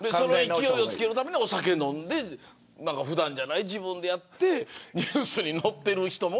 勢いをつけるためにお酒を飲んで普段じゃない自分でやってニュースに載っている人も。